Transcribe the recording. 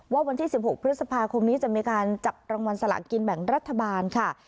วันที่๑๖พฤษภาคมนี้จะมีการจับรางวัลสละกินแบ่งรัฐบาลค่ะ